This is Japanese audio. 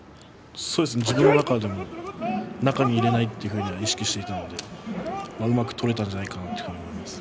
自分の中でも中に入れないと意識をしていたのでうまく取れたんじゃないかと思います。